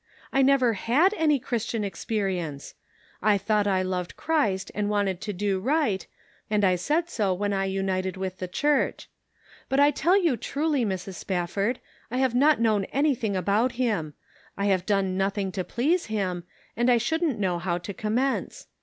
I never had any Christian experience. I thought I loved Christ and wanted to do right, and I said so when I united with the Church. But I tell you truly, Mrs. Spufford, I have not known anything about him ; I have done nothing to please him, and I shouldn't know how to commence.